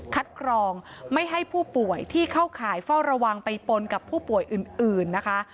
กรองไม่ให้ผู้ป่วยที่เข้าข่ายเฝ้าระวังไปปนกับผู้ป่วยอื่นนะคะ